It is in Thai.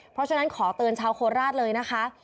เพราะฉะนั้นขอเตือนชาวโคราชเลยนะคะ